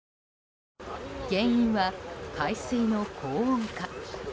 原因は海水の高温化。